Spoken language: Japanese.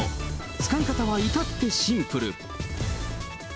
使い方はいたってシンプル。